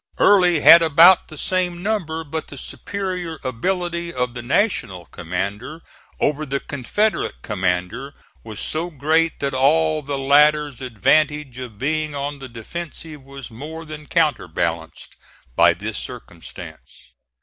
Early had about the same number, but the superior ability of the National commander over the Confederate commander was so great that all the latter's advantage of being on the defensive was more than counterbalanced by this circumstance.